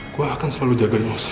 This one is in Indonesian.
gue akan selalu jagain lo esa